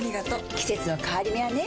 季節の変わり目はねうん。